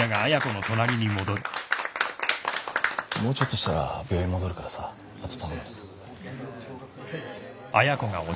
もうちょっとしたら病院戻るからさ後頼むね。